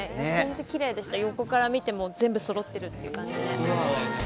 キレイでした、横から見ても全部そろっているって感じで。